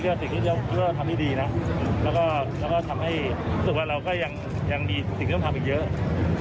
เราก็ทำให้เราก็ยังมีที่ต้องทำอีกเยอะ